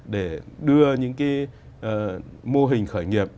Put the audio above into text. để đưa những cái mô hình khởi nghiệp